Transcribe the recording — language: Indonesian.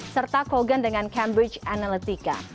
serta kogan dengan cambridge analytica